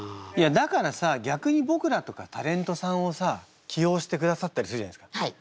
だからさぎゃくにぼくらとかタレントさんをさ起用してくださったりするじゃないですか。